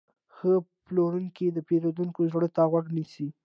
ښه پلورونکی د پیرودونکي زړه ته غوږ نیسي.